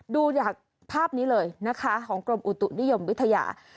ดูจากภาพนี้เลยนะคะของกรมอุตุนิยมวิทยา